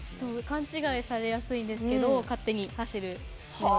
勘違いされやすいんですけど勝手に走るものですね。